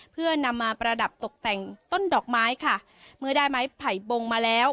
เพื่อนำมาประดับตกแต่งต้นดอกไม้ค่ะเมื่อได้ไม้ไผ่บงมาแล้ว